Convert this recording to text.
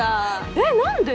えっ何で？